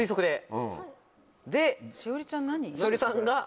で栞里さんが。